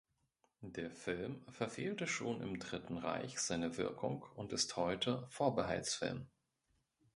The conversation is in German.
Der Film verfehlte schon im Dritten Reich seine Wirkung und ist heute Vorbehaltsfilm.